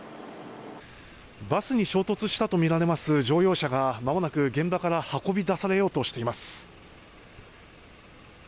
バスに衝突したとみられます乗用車がまもなく、現場から運び出されようとしています。